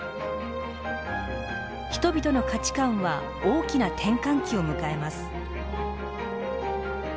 人々の価値観は大きな転換期を迎えます。